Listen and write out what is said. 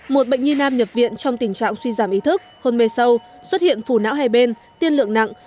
một bệnh nhi nam nhập viện trong tình trạng suy giảm ý thức hôn mê sâu xuất hiện phù não hai bên tiên lượng nặng